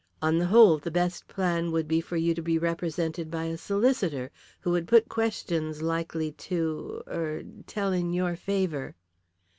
On the whole the best plan would be for you to be represented by a solicitor, who would put questions likely to er tell in your favour."